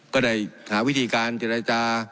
ก็ได้หาวิธีการเจรจา